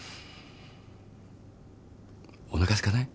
おなかすかない？